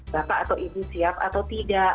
bapak atau ibu siap atau tidak